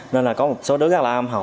nên là có một số đứa rất là âm học